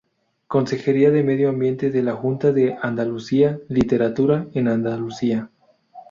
Consejería de Medio Ambiente de la Junta de Andalucía; "Literatura en Andalucía.